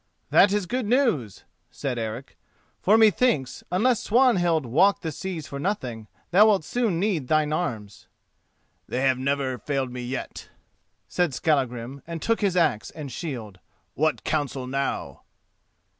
"That is good news," said Eric, "for methinks, unless Swanhild walked the seas for nothing, thou wilt soon need thine arms." "They have never failed me yet," said Skallagrim and took his axe and shield. "What counsel now?"